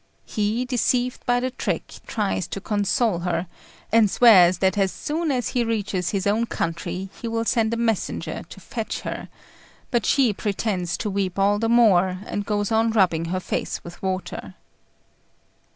He, deceived by the trick, tries to console her, and swears that as soon as he reaches his own country he will send a messenger to fetch her; but she pretends to weep all the more, and goes on rubbing her face with water.